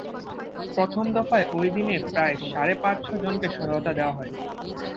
প্রথম দফায় ওই দিনে প্রায় সাড়ে পাঁচ শ জনকে সহায়তা দেওয়া হয়।